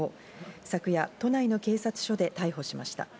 昨夜、都内の警察署で逮捕しました。